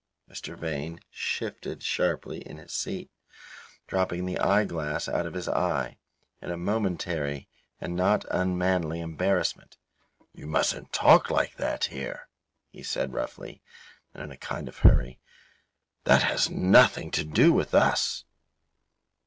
Mr. Vane shifted sharply in his seat, dropping the eye glass out of his eye in a momentary and not unmanly embarrassment. "You mustn't talk like that here," he said, roughly, and in a kind of hurry, "that has nothing to do with us."